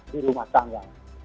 di rumah tangga